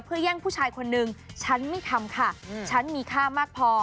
เพื่อแย่งผู้ชายคนนึงฉันไม่ทำค่ะฉันมีค่ามากพอ